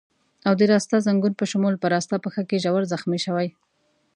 او د راسته ځنګون په شمول په راسته پښه کې ژور زخمي شوی.